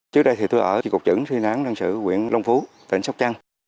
trước đây thì tôi ở trị cục trưởng suy nán đơn sử quyển long phú tỉnh sóc trăng